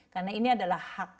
karena ini adalah hak